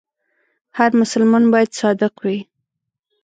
هر مسلمان باید صادق وي.